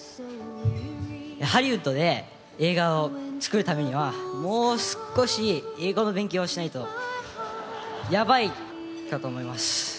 ハリウッドで映画を作るためには、もう少し、英語の勉強をしないと、やばいかと思います。